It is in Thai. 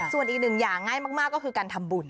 ส่วนอีกหนึ่งอย่างง่ายมากก็คือการทำบุญ